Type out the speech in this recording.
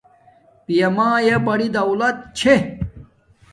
پیا مایا بوت بڑی دولت چھے